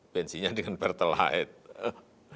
bensinya dengan pertelite